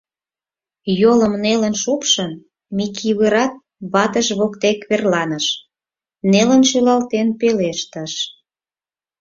Йолым нелын шупшын, Микывырат ватыж воктек верланыш, нелын шӱлалтен пелештыш: